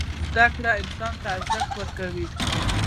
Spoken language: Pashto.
زدکړه انسان ته ارزښت ورکوي.